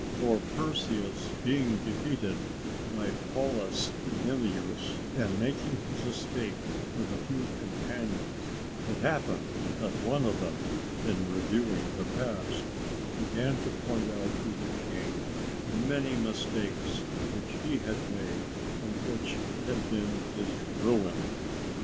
For Perseus being defeated by Paulus Emilius, and making his escape with a few companions, it happened that one of them, in reviewing the past, began to point out to the king many mistakes which he had made and which had been his ruin.